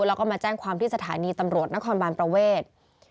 แล้วก็มาแจ้งความที่สถานีตำรวจนครบานประเวท